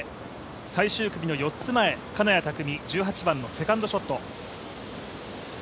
最終組の４つ前金谷拓実、１８番のセカンドショット。